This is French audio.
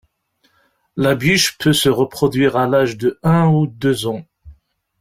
La biche peut se reproduire à l'âge de un ou deux ans.